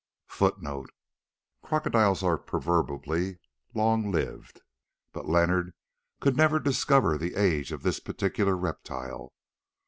Crocodiles are proverbially long lived, but Leonard could never discover the age of this particular reptile.